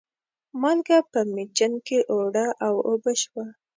مالګه په مېچن کې اوړه و اوبه شوه.